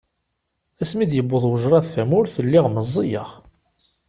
Asmi d-yewweḍ wejraḍ tamurt, lliɣ meẓẓiyeɣ.